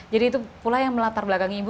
jadi itu pula yang melatar belakangnya bu